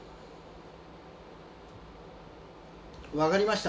分かりました。